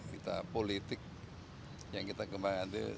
kita politik yang kita kembangkan itu